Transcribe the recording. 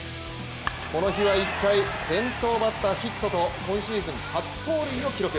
この日は１回、先頭バッターヒットと今シーズン初盗塁を記録。